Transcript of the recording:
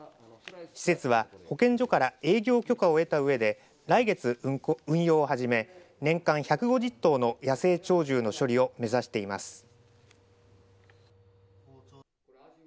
施設は、保健所から営業許可を得たうえで来月、運用を始め年間１５０頭の野生鳥獣の処理を目指しています。